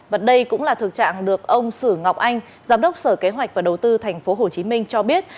và đây cũng là thực trạng được ông sử ngọc anh giám đốc sở kế hoạch và đầu tư tp hcm cho biết